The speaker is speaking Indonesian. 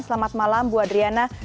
selamat malam ibu adriana